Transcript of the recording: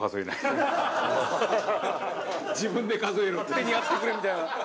「勝手にやってくれ」みたいな。